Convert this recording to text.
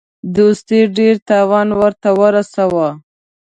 دوستي ډېر تاوان ورته ورساوه.